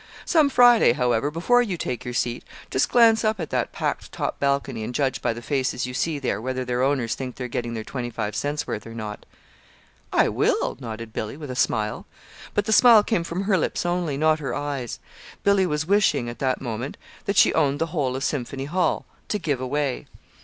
"Some Friday, however, before you take your seat, just glance up at that packed top balcony and judge by the faces you see there whether their owners think they're getting their twenty five cents' worth, or not." "I will," nodded Billy, with a smile; but the smile came from her lips only, not her eyes: Billy was wishing, at that moment, that she owned the whole of Symphony Hall to give away.